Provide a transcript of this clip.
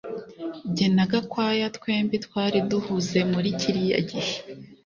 Jye na Gakwaya twembi twari duhuze muri kiriya gihe